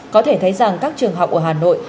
có thể thấy rằng các trường học ở hà nội